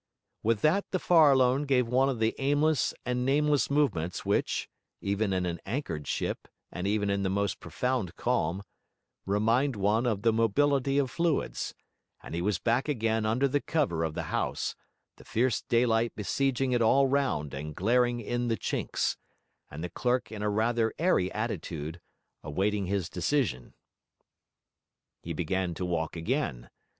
With that the Farallone gave one of the aimless and nameless movements which (even in an anchored ship and even in the most profound calm) remind one of the mobility of fluids; and he was back again under the cover of the house, the fierce daylight besieging it all round and glaring in the chinks, and the clerk in a rather airy attitude, awaiting his decision. He began to walk again.